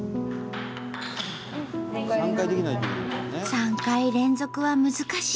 ３回連続は難しい。